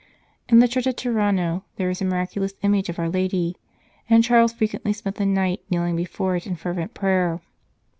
In the church at Tirano there is a miraculous image of our Lady, and Charles frequently spent the night kneeling before it in fervent prayer.